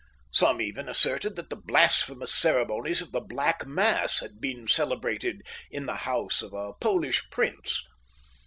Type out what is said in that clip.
Some even asserted that the blasphemous ceremonies of the Black Mass had been celebrated in the house of a Polish Prince.